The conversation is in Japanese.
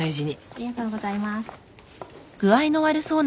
ありがとうございます。